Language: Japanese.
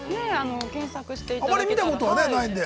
◆検索していただいて。